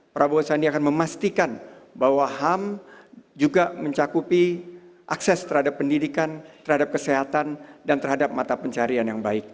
prabowo sandi akan memastikan bahwa ham juga mencakupi akses terhadap pendidikan terhadap kesehatan dan terhadap mata pencarian yang baik